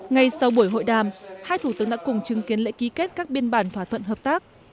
ngay sau buổi hội đàm hai thủ tướng đã cùng chứng kiến lễ ký kết các biên bản thỏa thuận hợp tác